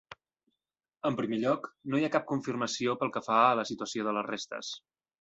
En primer lloc, no hi ha cap confirmació pel que fa a la situació de les restes.